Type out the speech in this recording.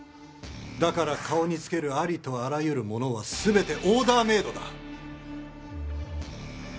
だから顔につけるありとあらゆるものは全てオーダーメイドだ。